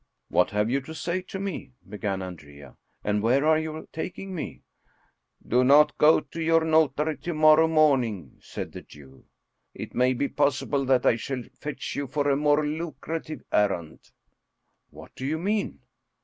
" What have you to say to me?" began Andrea, " and where are you taking me ?"" Do not go to your notary to morrow morning," said the Jew. " It may be possible that I shall fetch you for a more lucrative errand." " What do you mean